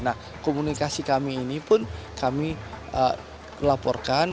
nah komunikasi kami ini pun kami laporkan